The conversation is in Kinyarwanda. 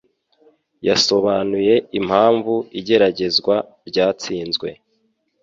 Yasobanuye impamvu igeragezwa ryatsinzwe.